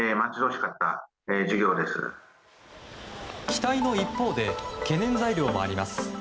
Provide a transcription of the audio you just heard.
期待の一方で懸念材料もあります。